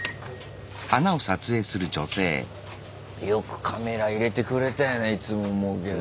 よくカメラ入れてくれたよねいつも思うけど。